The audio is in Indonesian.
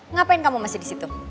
ngapain kamu masih disitu